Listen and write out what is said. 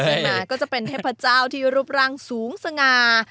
นี่ค่ะก็จะเป็นเทพเจ้าที่รูปรังสูงสงา